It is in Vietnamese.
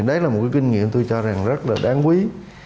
đấy là một cái kinh nghiệm tôi cho rằng rất là đáng quý